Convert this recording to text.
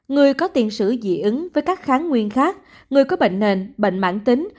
người có tiền sử dị ứng với các kháng nguyên khác người có bệnh nền bệnh mãn tính